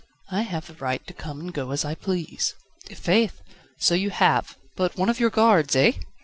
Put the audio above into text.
"I have the right to come and go as I please." "I' faith! so you have, but 'one of your guards' eh?